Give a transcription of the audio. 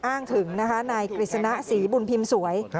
อ้างถึงนะคะนายกฤษณะศรีบุญพิมพ์สวย